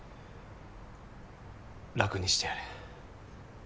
楽にしてやれ。